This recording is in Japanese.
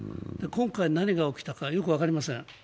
今回、何が起きたかよく分かりません。